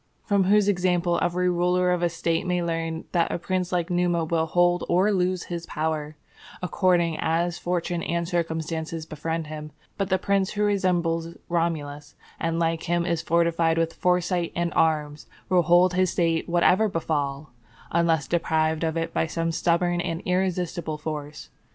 From whose example every ruler of a State may learn that a prince like Numa will hold or lose his power according as fortune and circumstances befriend him; but that the prince who resembles Romulus, and like him is fortified with foresight and arms, will hold his State whatever befall, unless deprived of it by some stubborn and irresistible force.